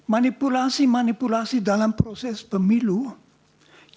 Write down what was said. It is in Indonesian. manipulasi manipulasi dalam proses pemilu